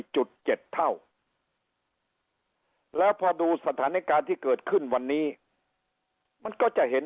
จุดเจ็ดเท่าแล้วพอดูสถานการณ์ที่เกิดขึ้นวันนี้มันก็จะเห็น